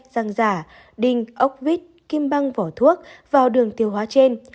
răng rả đinh ốc vít kim băng vỏ thuốc vào đường tiêu hóa trên